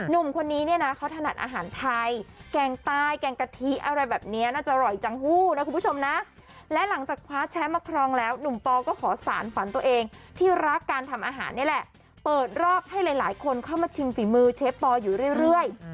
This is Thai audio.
พูดนะคุณผู้ชมนะและหลังจากคว้าแชฟมาครองแล้วนุ่มปอก็ขอสารฝันตัวเองที่รักการทำอาหารเนี่ยแหละเปิดรอบให้หลายคนเข้ามาชิมฝีมือเชฟปออยู่เรื่อย